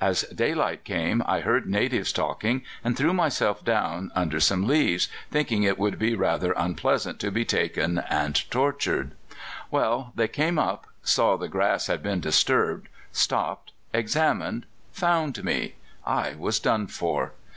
As daylight came I heard natives talking, and threw myself down under some leaves, thinking it would be rather unpleasant to be taken and tortured. Well, they came up, saw the grass had been disturbed, stopped, examined, found me! I was done for!